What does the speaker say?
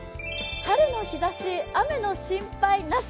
春の日ざし、雨の心配なし。